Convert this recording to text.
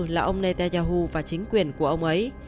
là ông netanyahu và chính quyền của iran